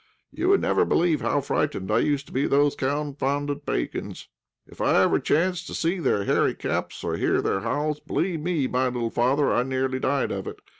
You would never believe how frightened I used to be of those confounded Pagans. If ever I chanced to see their hairy caps, or hear their howls, believe me, my little father, I nearly died of it.